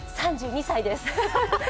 ３２歳です。